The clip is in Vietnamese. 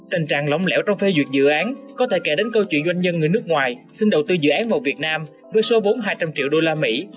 tình trạng lóng lẽo trong phê duyệt dự án có thể kể đến câu chuyện doanh nhân người nước ngoài xin đầu tư dự án vào việt nam với số vốn hai trăm linh triệu usd